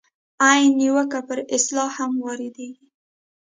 عین نیوکه پر اصطلاح هم واردېږي.